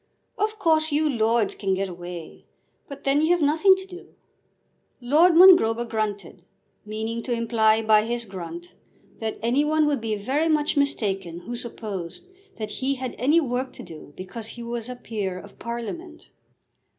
"Of course you lords can get away, but then you have nothing to do." Lord Mongrober grunted, meaning to imply by his grunt that any one would be very much mistaken who supposed that he had any work to do because he was a peer of Parliament.